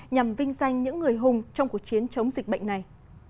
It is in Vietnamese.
nhằm vinh danh những người hùng trong cuộc chiến chống dịch bệnh này